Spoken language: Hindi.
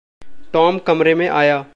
टॉम कमरे में आया।